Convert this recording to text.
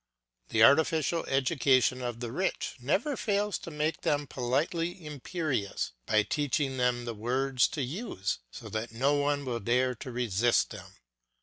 The artificial education of the rich never fails to make them politely imperious, by teaching them the words to use so that no one will dare to resist them.